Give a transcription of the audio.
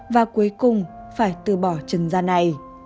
và cuối cùng phải từ bỏ chân da này